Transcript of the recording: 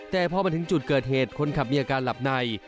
แต่พอมาถึงจุดเกิดเหตุคนขับมีอาการหลับใน